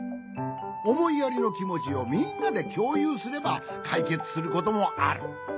おもいやりのきもちをみんなできょうゆうすればかいけつすることもある。